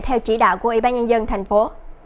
theo chỉ đạo của ủy ban nhân dân thành phố